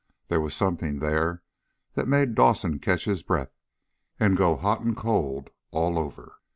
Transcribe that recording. There was something there that made Dawson catch his breath, and go hot and cold all over.